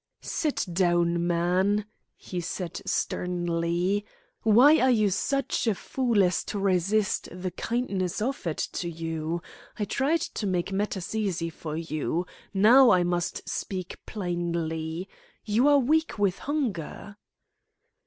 "Sit down, man," he said sternly. "Why are you such a fool as to resist the kindness offered to you? I tried to make matters easy for you. Now I must speak plainly. You are weak with hunger."